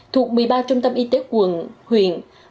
thuộc một mươi ba trung tâm y tế quận huyện